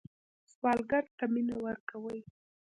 سوالګر ته مینه ورکوئ